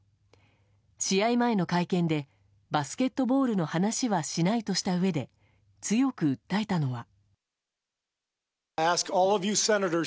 試合前の会見でバスケットボールの話はしないとしたうえで強く訴えたのは。